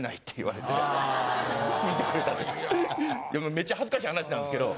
めっちゃ恥ずかしい話なんですけど。